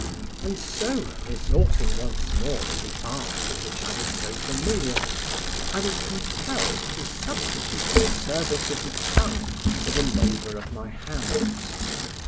And so, resorting once more to the art with which I was so familiar, I was compelled to substitute the service of the tongue for the labour of my hands.